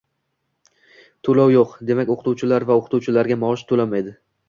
To'lov yo'q, demak o'qituvchilar va o'qituvchilarga maosh to'lanmaydi